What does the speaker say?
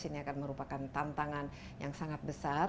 ini akan merupakan tantangan yang sangat besar